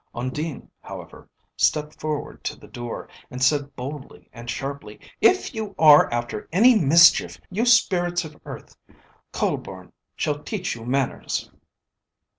Undine, however, stepped forward to the door, and said boldly and sharply, "If you are after any mischief, you spirits of earth, Kühleborn shall teach you manners."